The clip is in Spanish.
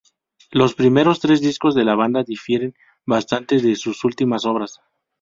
Los primeros tres discos de la banda difieren bastante de sus últimas obras.